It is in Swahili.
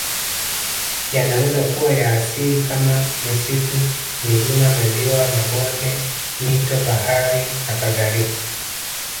Yanaweza kuwa ya asili kama misitu milima maziwa mabonde mito bahari nakadhalka